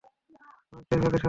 মানুষ চেয়েছিল তাদের স্বাধীনতা।